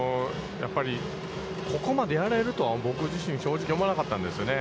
やっぱりここまでやれるとは僕自身、正直、思わなかったんですよね。